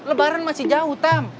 lebaran masih jauh tam